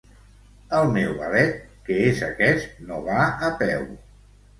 El meu Valet, que és aquest, no va a peu.